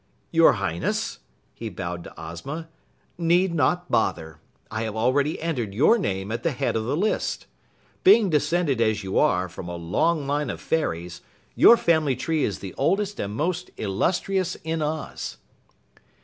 "Your Highness," he bowed to Ozma, "need not bother. I have already entered your name at the head of the list. Being descended as you are from a long line of fairies, your family tree is the oldest and most illustrious in Oz."